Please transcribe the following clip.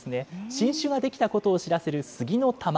新酒が出来たことを知らせる杉の玉。